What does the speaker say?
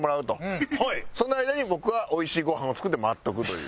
その間に僕はおいしいごはんを作って待っとくという。